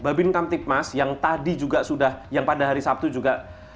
babin kamtipmas yang tadi juga sudah yang pada hari sabtu juga